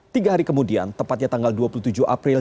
tiga hari kemudian tepatnya tanggal dua puluh tujuh april